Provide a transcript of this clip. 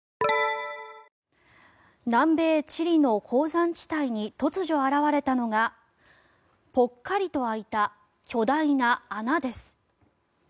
南米チリの鉱山地帯に突如現れたのがぽっかりと開いた巨大な穴です。